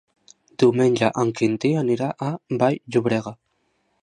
Diumenge en Quintí anirà a Vall-llobrega.